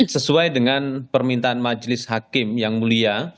sesuai dengan permintaan majelis hakim yang mulia